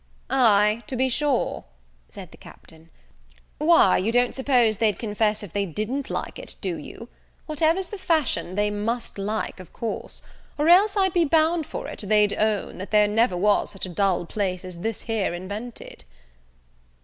"Ay, to be sure," said the Captain, "why, you don't suppose they'd confess they didn't like it, do you? Whatever's the fashion, they must like, of course; or else, I'd be bound for it, they'd own, that there never was such a dull place as this here invented."